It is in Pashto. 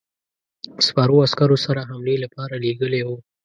سپرو عسکرو سره حملې لپاره لېږلی وو.